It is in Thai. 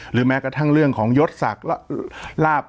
หรือแม้กระทั่งเรื่องของยศสักราบ